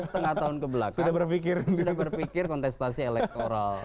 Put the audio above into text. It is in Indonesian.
dua lima tahun kebelakang sudah berpikir kontestasi elektoral